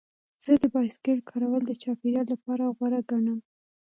زه د بایسکل کارول د چاپیریال لپاره غوره ګڼم.